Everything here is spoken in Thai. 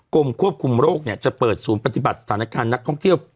กรมควบคุมโรคจะเปิดศูนย์ปฏิบัติสถานการณ์นักท่องเที่ยว